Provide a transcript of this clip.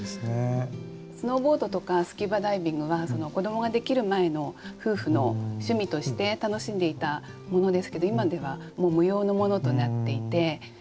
スノーボードとかスキューバダイビングは子どもができる前の夫婦の趣味として楽しんでいたものですけど今では無用のものとなっていて。